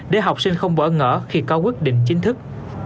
để học sinh không bỡ ngỡ khi có quyết định chính thức